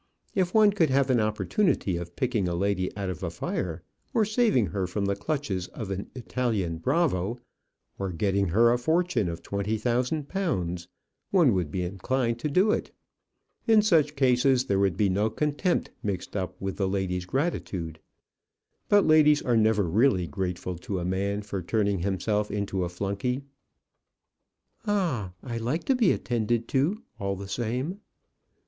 If one could have an opportunity of picking a lady out of a fire, or saving her from the clutches of an Italian bravo, or getting her a fortune of twenty thousand pounds, one would be inclined to do it. In such cases, there would be no contempt mixed up with the lady's gratitude. But ladies are never really grateful to a man for turning himself into a flunky." "Ah! I like to be attended to all the same."